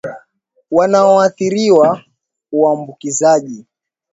wanaoathiriwa uambukizaji